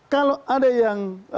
kalau ada yang